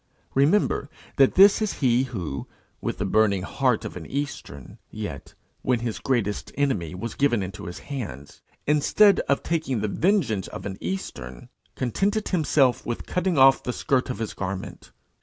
Remember that this is he who, with the burning heart of an eastern, yet, when his greatest enemy was given into his hands, instead of taking the vengeance of an eastern, contented himself with cutting off the skirt of his garment.